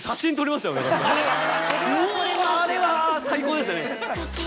もうあれは最高でしたね。